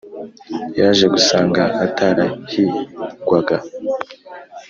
yaje gusanga atarahigwaga